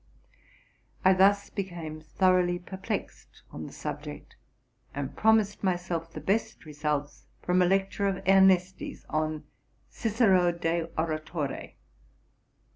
I thus became thor oughly perplexed on the subject, and promised myself the best results from a lecture of Ernesti's on '' Cicero de Ora tore.